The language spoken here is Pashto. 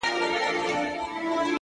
• خپل شعرونه چاپ کړل ,